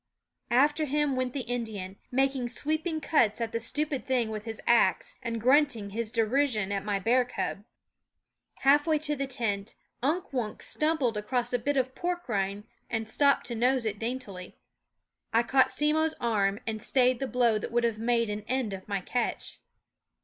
After him went the Indian, making sweeping cuts at the stupid thing with his ax, and grunting his derision at my bear cub. & SCHOOL OF Halfway to the tent Unk Wunk stumbled across a bit of pork rind, and stopped to nose it daintily. I caught Simmo's arm and stayed the blow that would have made an end of my catch.